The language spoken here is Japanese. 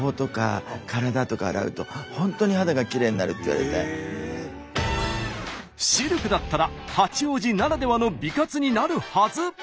それでシルクだったら八王子ならではの美活になるはず。